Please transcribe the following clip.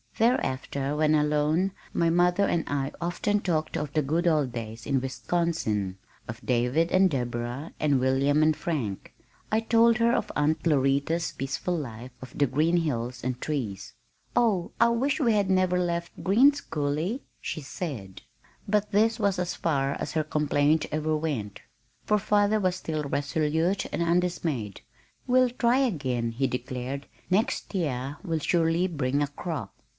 Thereafter when alone, my mother and I often talked of the good old days in Wisconsin, of David and Deborah and William and Frank. I told her of Aunt Loretta's peaceful life, of the green hills and trees. "Oh, I wish we had never left Green's Coulee!" she said. But this was as far as her complaint ever went, for father was still resolute and undismayed. "We'll try again," he declared. "Next year will surely bring a crop."